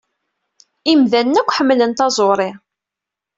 Imdanen akk ḥemmlen taẓuri.